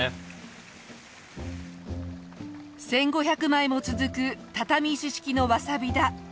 １５００枚も続く畳石式のわさび田。